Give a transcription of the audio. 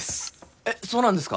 えっそうなんですか？